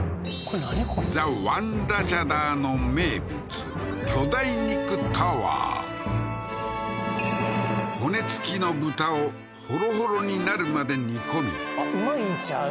ザ・ワン・ラチャダーの名物巨大肉タワー骨付きの豚をほろほろになるまで煮込みうまいんちゃう？